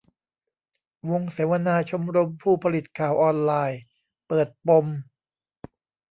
วงเสวนาชมรมผู้ผลิตข่าวออนไลน์ เปิดปม